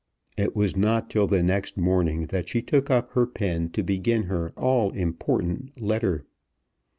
It was not till the next morning that she took up her pen to begin her all important letter.